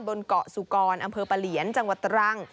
บนเกาะสุกรอำเภอปะเหลียนจังหวัดตรัง